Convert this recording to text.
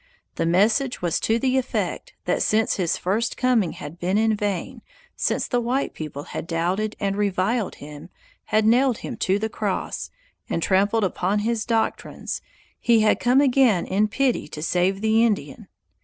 The message was to the effect that since his first coming had been in vain, since the white people had doubted and reviled him, had nailed him to the cross, and trampled upon his doctrines, he had come again in pity to save the Indian.